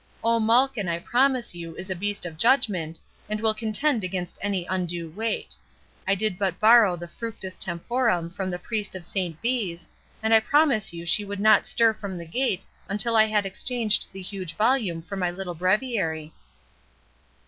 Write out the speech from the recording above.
O, Malkin, I promise you, is a beast of judgment, and will contend against any undue weight—I did but borrow the 'Fructus Temporum' from the priest of Saint Bees, and I promise you she would not stir from the gate until I had exchanged the huge volume for my little breviary."